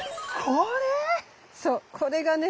これ⁉そうこれがね